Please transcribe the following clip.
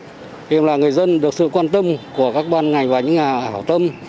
nhưng mà người dân được sự quan tâm của các ban ngành và những nhà hảo tâm